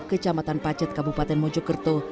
kecamatan pacet kabupaten mojokerto